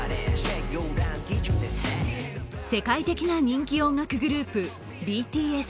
世界的な人気音楽グループ、ＢＴＳ。